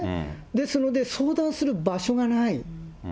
ですので、相談する場所がない。